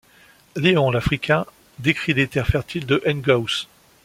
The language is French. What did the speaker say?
Léon l'Africain décrit les terres fertiles de N'Gaous.